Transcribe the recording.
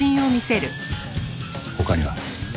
他には？